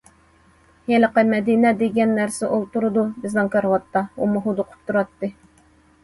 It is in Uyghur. ھېلىقى مەدىنە دېگەن نەرسە ئولتۇرىدۇ، بىزنىڭ كارىۋاتتا، ئۇمۇ ھودۇقۇپ تۇراتتى.